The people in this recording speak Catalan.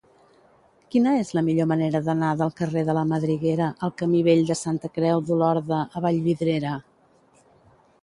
Quina és la millor manera d'anar del carrer de la Madriguera al camí Vell de Santa Creu d'Olorda a Vallvidrera?